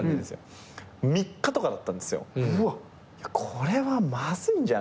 これはまずいんじゃないかと。